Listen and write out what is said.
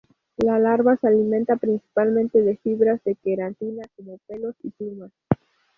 La larva se alimenta principalmente de fibras de queratina, como pelos y plumas.